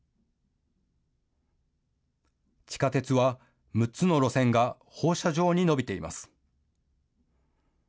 地下鉄は６つの路線が放射状に延びています。